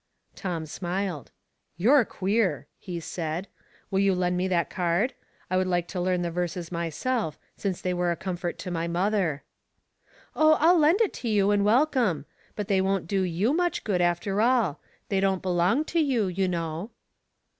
Tom smiled. " You're queer," he said. " Will you lend me the card? I would like to learn the words my self, since they were a comfort to my mother." " Oh, I'll lend it to you and welcome ; but they won't do you much good, after all. They don't belong to you, you know."